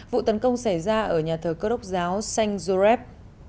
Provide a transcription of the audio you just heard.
vụ tấn công xảy ra ở nhà thờ cơ đốc giáo seng zureb